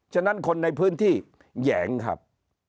ฉะนั้นคนในพื้นที่แหยงครับ